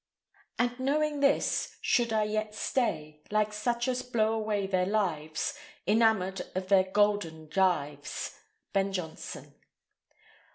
And knowing this, should I yet stay, Like such as blow away their lives, Enamoured of their golden gyves? Ben Jonson.